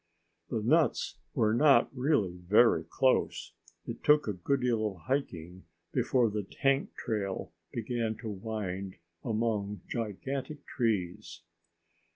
The nuts were not really very close. It took a good deal of hiking before the tank trail began to wind among gigantic trees.